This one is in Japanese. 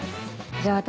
じゃあ私